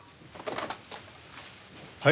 はい。